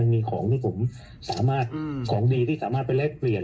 มีของที่ผมสามารถของดีที่สามารถไปแลกเปลี่ยน